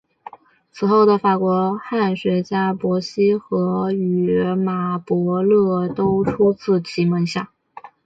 此后的法国汉学家伯希和与马伯乐都出自其门下。